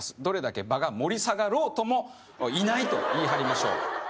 どれだけ場が盛り下がろうとも「いない」と言い張りましょう